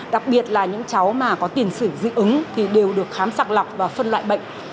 đặc biệt là những cháu mà có tiền sử dị ứng thì đều được khám sàng lọc và phân loại bệnh